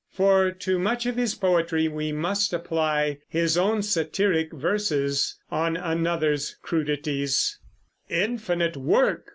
For to much of his poetry we must apply his own satiric verses on another's crudities: Infinite work!